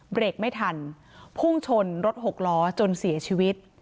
เบรกไม่ทันพุ่งชนรถหกล้อจนเสียชีวิต